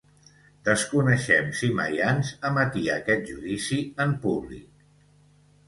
Desconeixem si Maians emetia aquest judici en públic.